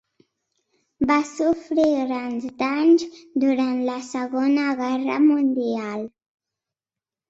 Va sofrir grans danys durant la Segona Guerra Mundial.